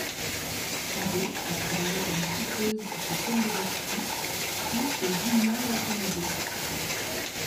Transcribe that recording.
Abe a travaillé comme coupeuse chez Comme des Garçons, puis chez Junya Watanabe.